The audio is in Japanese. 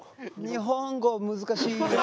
日本語難しい。